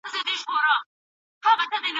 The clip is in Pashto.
د تورې سمندرګي غاړې يې تصرف کړې.